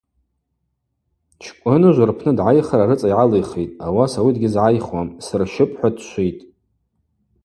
Чкӏвыныжв рпны дгӏайхра рыцӏа йгӏалихитӏ, ауаса ауи дгьызгӏайхуам: сырщыпӏ – хӏва дшвитӏ.